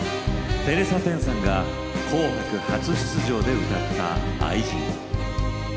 テレサ・テンさんが「紅白」初出場で歌った「愛人」。